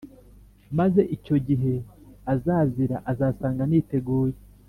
Maze icyo gihe azazira azasanga niteguye